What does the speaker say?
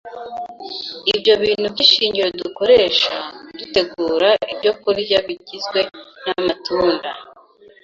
Ibyo bintu by’ishingiro dukoresha dutegura ibyokurya bigizwe n’amatunda